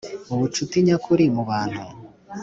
Ubucuti nyakuri mubantu